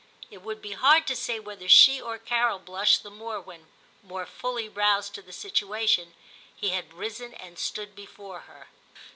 It would be hard to say whether she or Carol blushed the more when, more fully roused to the situation, he had risen and stood before her.